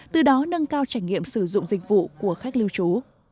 từ đó nâng cao trải nghiệm sử dụng dịch vụ của khách lưu trú